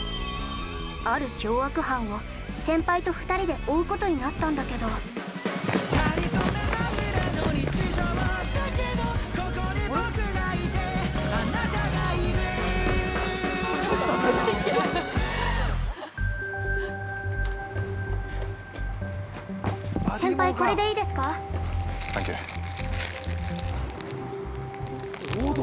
ある凶悪犯を先輩と２人で追うことになったんだけど◆あっ、サンキュー。